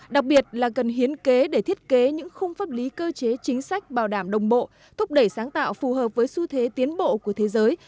đặc biệt là cần hiến kế để thiết kế những khung pháp lý cơ chế chính sách bảo đảm đồng bộ thúc đẩy sáng tạo phù hợp với xu thế tiến bộ của thế giới